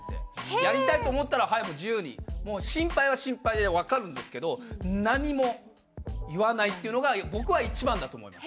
やりたいと思ったら早く自由に心配は心配で分かるんですけど何も言わないっていうのが僕は一番だと思います。